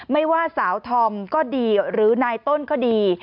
ไม่ว่าสาวธอมก็ดีหรือนายต้นก็ดี